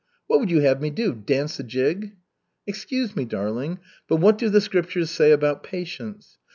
"What would you have me do? Dance a jig?" "Excuse me, darling, but what do the Scriptures say about patience?